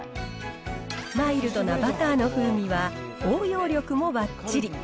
マイルドなバターの風味は、応用力もばっちり。